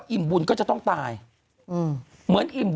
กังวลกับลูกตัวเองมากกว่าการจะหยิบโทรศัพท์ขึ้นมาแล้วถ่าย